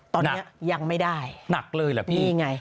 ตอนนี้ยังไม่ได้นี่ไงนี่หนักเลย